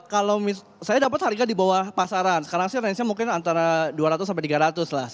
kalau saya dapat harga di bawah pasaran sekarang sih range nya mungkin antara dua ratus sampai tiga ratus lah